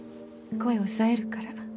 声抑えるから。